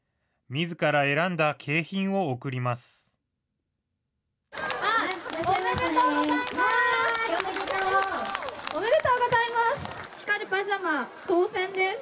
みずから選んだ景品を贈ります。